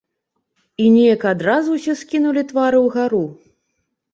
І нейк адразу ўсе ўскінулі твары ўгару.